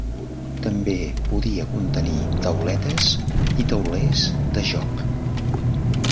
També podia contenir tauletes i taulers de joc.